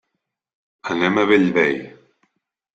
Anem a Bellvei.